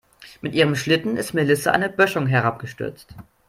Mit ihrem Schlitten ist Melissa eine Böschung herabgestürzt.